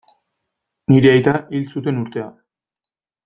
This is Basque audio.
Nire aita hil zuten urtea.